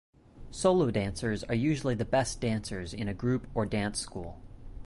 Solo dancers are usually the best dancers in a group or dance school.